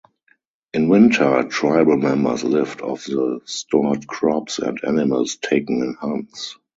In winter, tribal members lived off the stored crops and animals taken in hunts.